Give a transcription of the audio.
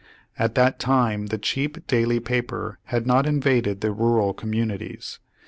At that time the cheap daily paper had not invaded the rural communities.